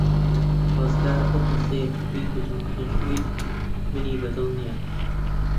ڕزگار ئەو کەسەیە کە پێی گوتم نەشمیل منی بەدڵ نییە.